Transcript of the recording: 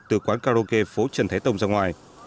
từ quán karaoke phố trần thái tông ra ngoài